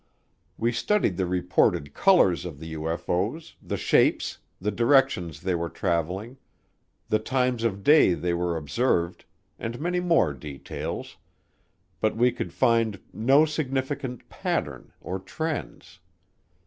We studied the reported colors of the UFO's, the shapes, the directions they were traveling, the times of day they were observed, and many more details, but we could find no significant pattern or trends.